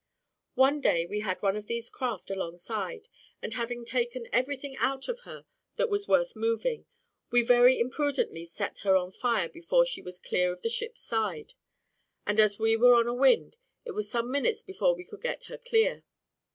One day we had one of these craft alongside, and having taken every thing out of her that was worth moving, we very imprudently set her on fire before she was clear of the ship's side; and as we were on a wind, it was some minutes before we could get her clear.